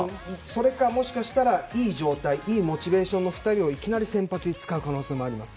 それかもしかしたら、いい状態いいモチベーションの２人をいきなり先発に使う可能性もあります。